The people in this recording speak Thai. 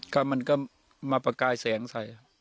ก็มันก็มาประกายแสงใส่